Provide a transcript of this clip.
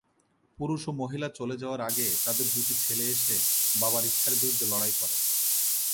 পুরুষ ও মহিলা চলে যাওয়ার আগে তাদের দুটি ছেলে এসে বাবার ইচ্ছার বিরুদ্ধে লড়াই করে।